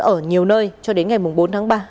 ở nhiều nơi cho đến ngày bốn tháng ba